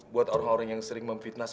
buat orang orang yang sering mempikirkan kita